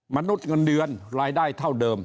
มนุษย์เงินเดือนรายได้เท่าเดิม